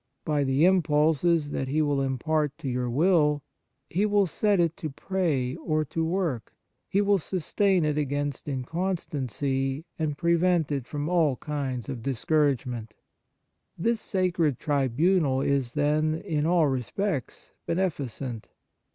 By the impulses that he will impart to your will, he will set it to pray or to work, he will sustain it against inconstancy and prevent it from all kinds of discourage ment. This sacred tribunal is, then, in all respects beneficent.